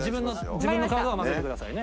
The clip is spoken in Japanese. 自分のカードは交ぜてくださいね。